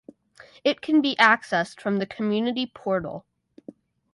It can be accessed from the Community Portal.